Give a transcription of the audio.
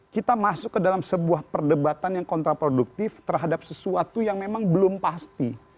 kita masuk ke dalam sebuah perdebatan yang kontraproduktif terhadap sesuatu yang memang belum pasti